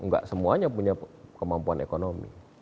nggak semuanya punya kemampuan ekonomi